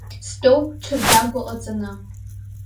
Стәоуп ҽырдагәа ҟаҵаны.